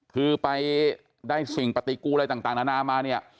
คือไปได้สิ่งปฏิกูอะไรต่างนานามาเนี่ย